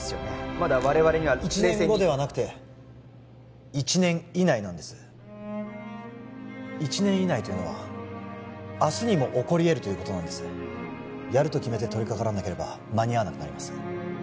まだ我々には１年後ではなくて１年以内なんです１年以内というのは明日にも起こり得るということなんですやると決めて取りかからなければ間に合わなくなります